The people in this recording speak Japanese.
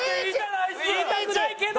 言いたくないけど。